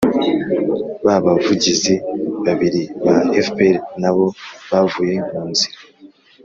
ba bavugizi babiri ba fpr na bo bavuye mu nzira.